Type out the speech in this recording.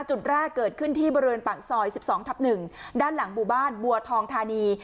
จุดแรกเกิดขึ้นที่บริเวณปากซอย๑๒ทับ๑ด้านหลังหมู่บ้านบัวทองธานี